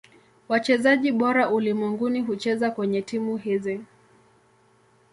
Wachezaji bora ulimwenguni hucheza kwenye timu hizi.